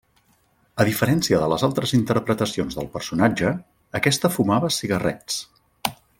A diferència de les altres interpretacions del personatge, aquesta fumava cigarrets.